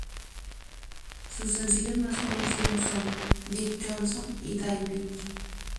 Sus sencillos más conocidos son: "Dick Johnson", "Die Bitch!